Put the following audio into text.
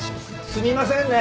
すみませんね。